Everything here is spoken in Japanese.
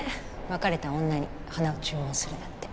別れた女に花を注文するなんて。